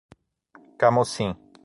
Camocim